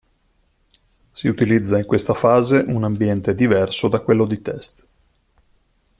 Si utilizza in questa fase un ambiente diverso da quello di test.